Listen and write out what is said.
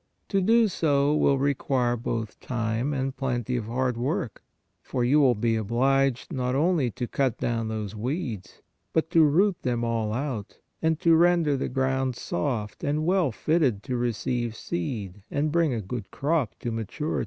To do so will require both time and plenty of hard work, for you will be obliged not only to cut down those weeds, but to root them all out and to render the ground soft and well fitted to receive seed and bring a good crop to maturity.